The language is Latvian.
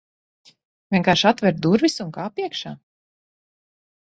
Vienkārši atver durvis, un kāp iekšā.